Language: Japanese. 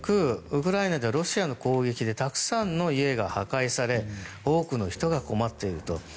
ウクライナではロシアの攻撃でたくさんの家が破壊され多くの人が困っていると。